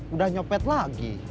udah nyopet lagi